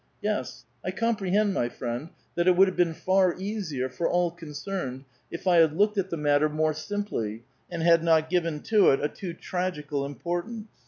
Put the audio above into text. Yes, I comprehend, my friend, that it would have been far easier for all concerned if I had looked at the matter more simph', and had not given to it a too tragical impor tance.